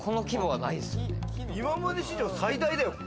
今まで史上最大だよ。